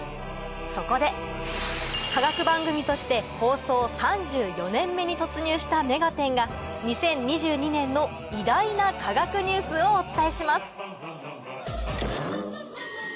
そこで科学番組として放送３４年目に突入した『目がテン！』が２０２２年の偉大な科学ニュースをお伝えします